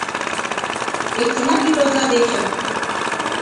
Лектына вӱд оза дечын